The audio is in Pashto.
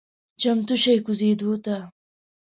چمتو شئ کوزیدو ته…